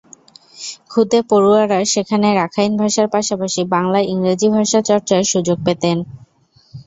খুদে পড়ুয়ারা সেখানে রাখাইন ভাষার পাশাপাশি বাংলা, ইংরেজি ভাষা চর্চার সুযোগ পেতেন।